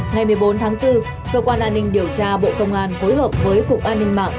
ngày một mươi bốn tháng bốn cơ quan an ninh điều tra bộ công an phối hợp với cục an ninh mạng